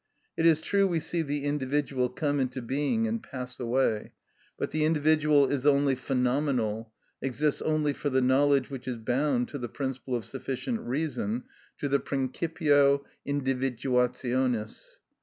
It is true we see the individual come into being and pass away; but the individual is only phenomenal, exists only for the knowledge which is bound to the principle of sufficient reason, to the principio individuationis.